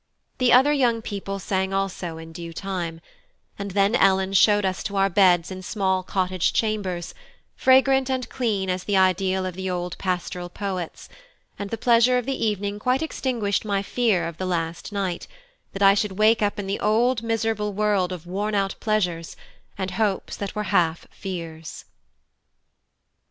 The other young people sang also in due time; and then Ellen showed us to our beds in small cottage chambers, fragrant and clean as the ideal of the old pastoral poets; and the pleasure of the evening quite extinguished my fear of the last night, that I should wake up in the old miserable world of worn out pleasures, and hopes that were half fears.